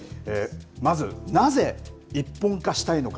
まず、なぜ一本化したいのか。